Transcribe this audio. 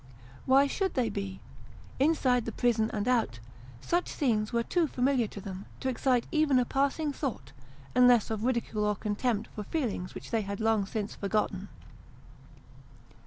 Why should they be ? Inside the prison, and out, such scenes were too familiar to them, to excite even a passing thought, unless of ridicule or contempt for feelings which they had long since forgotten.